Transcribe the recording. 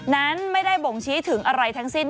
นั้นไม่ได้บ่งชี้ถึงอะไรทั้งสิ้น